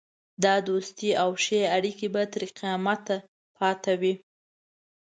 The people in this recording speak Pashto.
دا دوستي او ښې اړېکې به تر قیامته پاته وي.